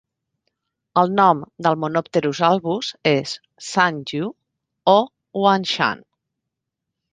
El nom del Monopterus albus és "shan yu" o "huang shan".